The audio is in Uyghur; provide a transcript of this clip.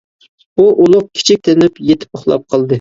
ئۇ ئۇلۇغ-كىچىك تىنىپ، يېتىپ ئۇخلاپ قالدى.